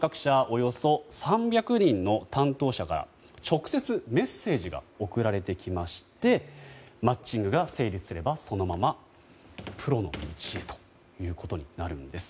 およそ３００人の担当者から直接メッセージが送られてきましてマッチングが成立すればそのままプロの道へということになるんです。